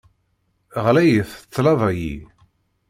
Ɣlayet ṭṭabla-yi.